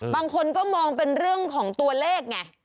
บางคนก็มองเป็นเรื่องของตัวเลขไง